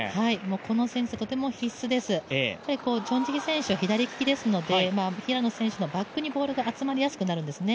このセンス、とても必須ですチョン・ジヒ選手左利きですので平野選手のバックにボールが集まりやすくなるんですね。